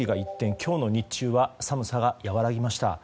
今日の日中は寒さが和らぎました。